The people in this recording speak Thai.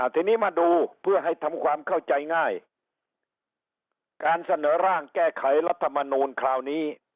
ทีนี้มาดูเพื่อให้ทำความเข้าใจง่ายการเสนอร่างแก้ไขรัฐมนูลคราวนี้